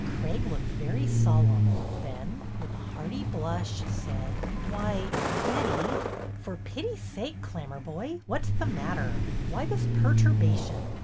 Craig looked very solemn, then, with a hearty blush, said: ^^Why, Betty —"'' For pity's sake, Clammerboy, what 's the matter? Why this perturbation?